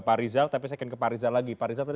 pak rizal tapi saya ingin ke pak rizal lagi pak rizal tadi